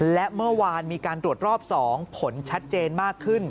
และเมื่อวานมีการตรวจรอบ๒ผลชัดเจนมากขึ้น